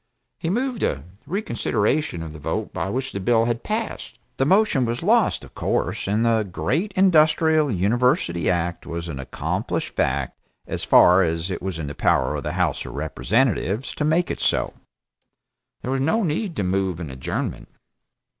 He moved a reconsideration of the vote by which the bill had passed. The motion was lost, of course, and the great Industrial University act was an accomplished fact as far as it was in the power of the House of Representatives to make it so. There was no need to move an adjournment.